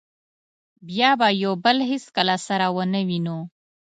بیا به یو بل هېڅکله سره و نه وینو.